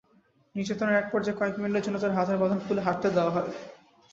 নির্যাতনের একপর্যায়ে কয়েক মিনিটের জন্য তার হাতের বাঁধন খুলে হাঁটতে দেওয়া হয়।